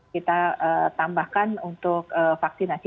kita tambahkan untuk vaksinasi